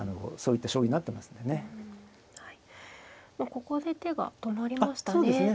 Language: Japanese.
ここで手が止まりましたね。